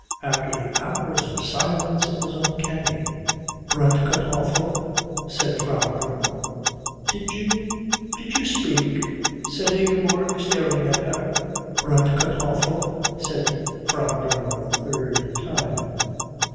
After the hours of silence it was uncanny. "Bratkartoffel," said Frau Dremmel again. "Did you did you speak?" said Ingeborg, staring at her. "Bratkartoffel," said Frau Dremmel a third time.